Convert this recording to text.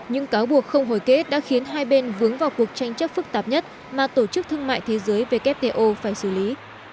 những cáo buộc không hồi kết đã khiến hai bên vướng vào cuộc tranh chấp phức tạp nhất mà tổ chức thương mại thế giới wto phải xử lý